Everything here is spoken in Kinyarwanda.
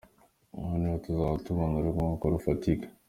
Aho ni ho tuzaba tubona urwunguko rufatika.